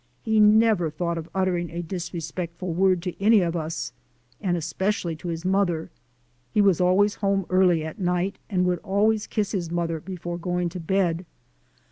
He never thought of uttering a disrespectful word to any of us and especially to his mother. He was always home early at night, and would always kiss his mother before going to bed.